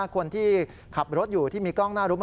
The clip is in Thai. คนที่ขับรถอยู่ที่มีกล้องหน้ารถ